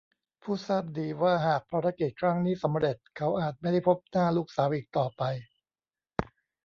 ผู้ทราบดีว่าหากภารกิจครั้งนี้สำเร็จเขาอาจไม่ได้พบหน้าลูกสาวอีกต่อไป